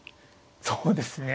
そうですね。